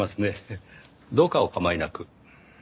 どうかお構いなく。